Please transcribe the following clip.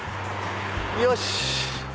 よし！